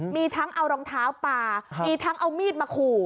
มีทั้งเอารองเท้าปลามีทั้งเอามีดมาขู่